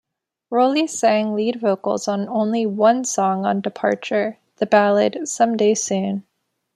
Rolie sang lead vocals on only one song on "Departure", the ballad "Someday Soon".